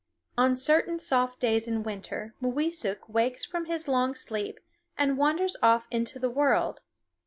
On certain soft days in winter Mooweesuk wakes from his long sleep and wanders off into the world.